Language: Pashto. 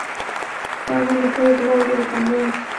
د اسلام دین د پوهې په لاره کې خنډونه لرې کړل.